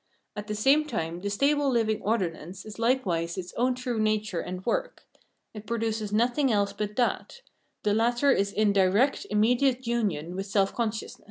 At the same time the stable living ordinance is likewise its own true nature and work ; it produces nothing else but that ; the latter is in direct, immediate union with self consciousness.